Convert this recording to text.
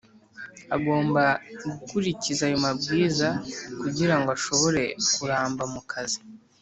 Agomba gukurikiza ayo mabwiriza kugira ngo ashobore kuramba mu kazi